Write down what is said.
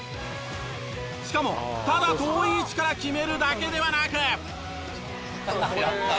しかもただ遠い位置から決めるだけではなく。